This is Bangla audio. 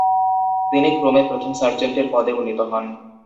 তিনি ক্রমে প্রথম সার্জেন্টের পদে উন্নীত হন।